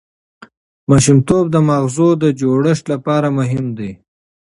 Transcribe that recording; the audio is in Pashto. ماشومتوب د ماغزو د جوړښت لپاره مهم دی.